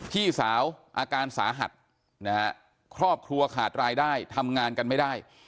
พี่สาวอาการสาหัสนะฮะครอบครัวขาดรายได้ทำงานกันไม่ได้